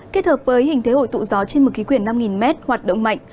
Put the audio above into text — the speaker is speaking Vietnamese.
kết hợp với hình thế hội tụ gió trên một ký quyển năm m hoạt động mạnh